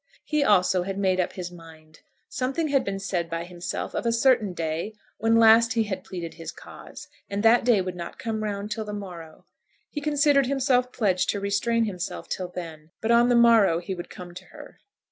He also had made up his mind. Something had been said by himself of a certain day when last he had pleaded his cause; and that day would not come round till the morrow. He considered himself pledged to restrain himself till then; but on the morrow he would come to her.